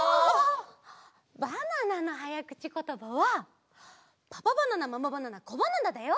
バナナのはやくちことばはパパバナナママバナナコバナナだよ！